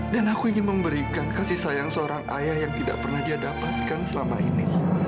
dan aku ingin memberikan kasih sayang seorang ayah yang tidak pernah dia dapatkan selama ini